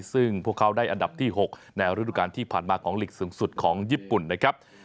ซึ่งพวกเขาได้อันดับที่๖ในฤดูการที่ผ่านมาของหลีกสูงสุดของญี่ปุ่นนะครับ